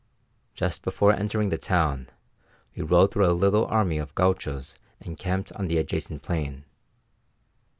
Just before entering the town we rode through a little army of gauchos encamped on the adjacent plain.